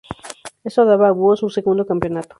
Esto daba a Búhos su segundo campeonato.